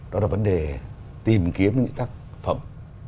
đó là vấn đề tìm kiếm những tác phẩm